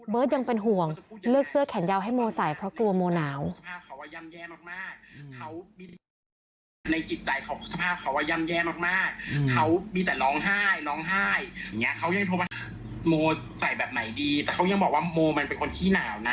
ยังเป็นห่วงเลือกเสื้อแขนยาวให้โมใส่เพราะกลัวโมหนาว